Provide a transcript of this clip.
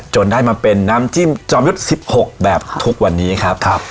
ได้มาเป็นน้ำจิ้มจอมยุทธ์๑๖แบบทุกวันนี้ครับ